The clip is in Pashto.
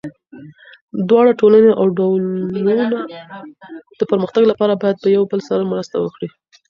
دواړه ټولني او ډلونه د پرمختګ لپاره باید یو بل سره مرسته وکړي.